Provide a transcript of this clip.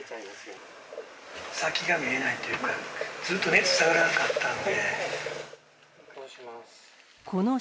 先が見えないというか、ずっと熱下がらなかったので。